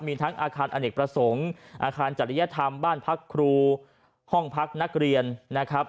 มีทั้งอาคารอเนกประสงค์อาคารจริยธรรมบ้านพักครูห้องพักนักเรียนนะครับ